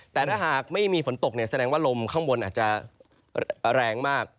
แต่ถ้าหากไม่มีฝนตกแสดงว่าลมข้างบนอาจจะแรงมาก